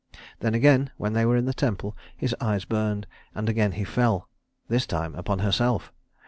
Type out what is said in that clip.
Then again when they were in the temple his eyes burned, and again he fell, this time upon herself.